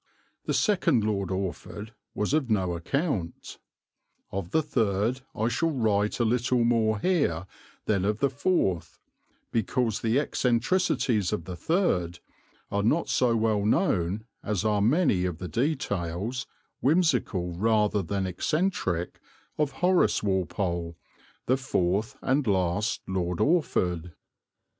The second Lord Orford was of no account. Of the third I shall write a little more here than of the fourth, because the eccentricities of the third are not so well known as are many of the details, whimsical rather than eccentric, of Horace Walpole, the fourth and last Lord Orford.